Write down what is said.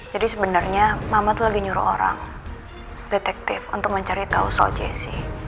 jadi sebenernya mama tuh lagi nyuruh orang detektif untuk mencari tau soal jessy